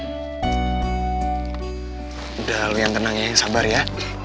udah lu yang tenangnya yang sabar ya